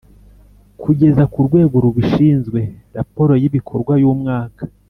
Kugeza ku rwego rubishinzwe raporo y ibikorwa y umwaka